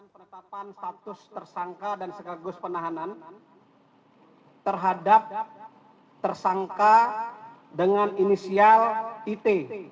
penetapan status tersangka dan sekaligus penahanan terhadap tersangka dengan inisial it